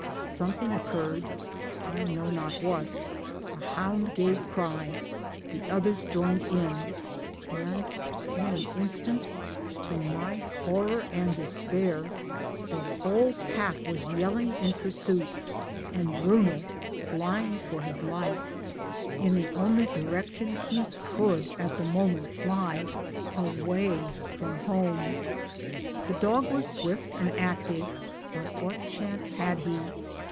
Something occurred I know not what. A hound gave cry ; the others joined in ; and in an instant, to my horror and despair, the whole pack was yelling in pursuit, and Bruno flying for his life in the only direction he could at the moment 1 Shown in the illustration facing page 103. 154 MY DAYS AND DREAMS fly, away from home"! The dog was swift and active, but what chance had he?